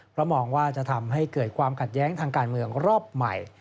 เพราะมองว่าจะทำให้เกิดความขัดแย้งทางการเมืองรอบใหม่